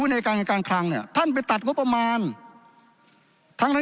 ในการการคลังเนี่ยท่านไปตัดงบประมาณทั้งนั้น